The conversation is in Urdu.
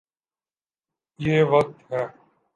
یہ وقت ہے۔